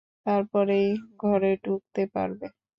তারপরেই ঘরে ঢুকতে পারবে।